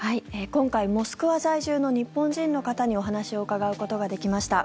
今回、モスクワ在住の日本人の方にお話を伺うことができました。